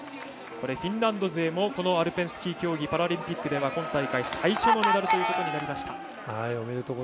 フィンランド勢もアルペンスキー競技パラリンピックでは今大会最初のメダルということになりました。